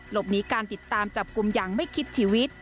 มีการติดตามจับกลุ่มอย่างไม่คิดชีวิต